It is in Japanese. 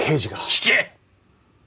聞け！